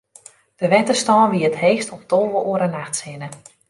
De wetterstân wie it heechst om tolve oere nachts hinne.